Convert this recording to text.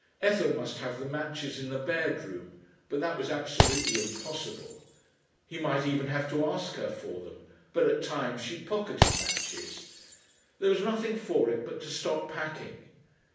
Ethel must have the matches in the bedroom, but that was absolutely impossible. He might even have to ask her for them, for at times she pocketed matches.... There was nothing for it but to stop packing.